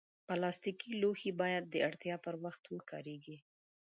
پلاستيکي لوښي باید د اړتیا پر وخت وکارېږي.